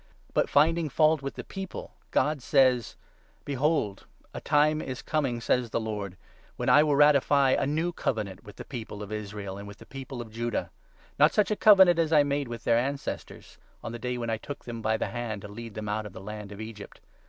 But, finding fault with the 8 people, God says— ' "Behold, a time is coming," says the Lord, "When I will ratify a new Covenant with the People of Israel and with the People of Judah — Not such a Covenant as I made with their ancestors 9 On the day when I took them by the hand to lead them out of the land of Egypt.